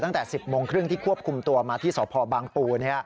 ตั้งแต่๑๐โมงครึ่งที่ควบคุมตัวมาที่สพบางปู